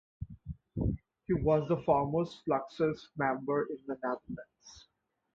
He was the foremost Fluxus member in the Netherlands.